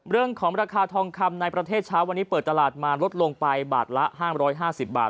ราคาทองคำในประเทศเช้าวันนี้เปิดตลาดมาลดลงไปบาทละ๕๕๐บาท